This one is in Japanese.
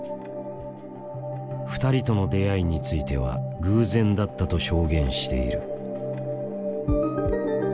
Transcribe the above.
２人との出会いについては偶然だったと証言している。